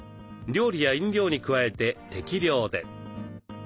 料理や飲料に加えて適量で。